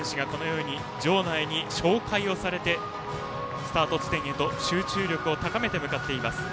各選手が場内に紹介されてスタート地点へと集中力を高めて向かっています。